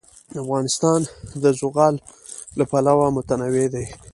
افغانستان د زغال له پلوه متنوع دی.